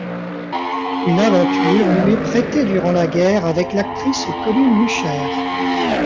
Une aventure lui est prêtée durant la guerre avec l'actrice Corinne Luchaire.